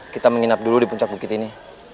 kita menginap dulu di puncak bukit ini